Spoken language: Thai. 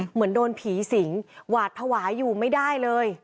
เหมือนโดนผีสิงหวาดภาวะอยู่ไม่ได้เลย